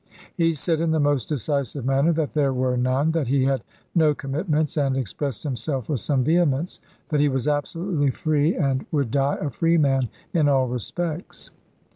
He said in the most decisive manner that there were none, that he had no commitments ; and expressed himself with some vehemence that he was absolutely free and would die a freeman in all respects.